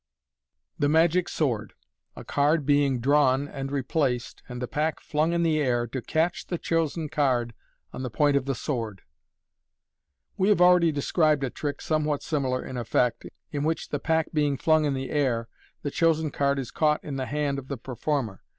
The Magic Sword. A Card being drawn and replaced, and the Pack flung in the Air, to catch the chosen Card on the point of the Sword. — We have already described a trick somewhat similar in effect, in which, the pack being flung in the air, the chosen card is caught in the hand of the performer.